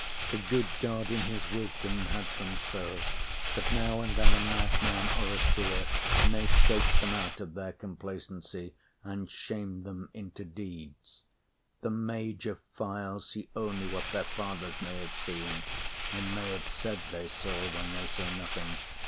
The good God in his wisdom had them so, That now and then a madman or a seer May shake them out of their complacency And shame them into deeds. The major file See only what their fathers may have seen, Or may have said they saw when they saw nothing.